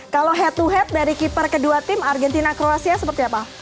kalau head to head dari keeper kedua tim argentina kroasia seperti apa